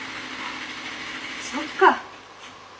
そっか。